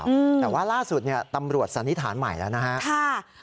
แต่ว่าล่าสุดตำรวจสันนิษฐานใหม่แล้วนะครับ